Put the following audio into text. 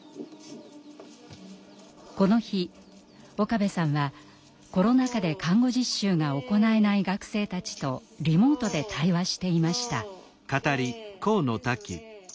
この日岡部さんはコロナ禍で看護実習が行えない学生たちとリモートで対話していました。